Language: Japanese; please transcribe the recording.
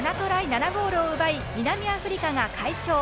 ７ゴールを奪い南アフリカが快勝。